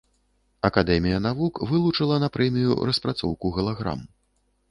Акадэмія навук вылучыла на прэмію распрацоўку галаграм.